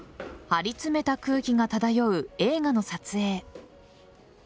張りつめた空気が漂う映画の撮影。